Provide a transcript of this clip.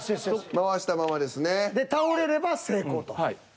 回したままですね。で倒れれば成功と。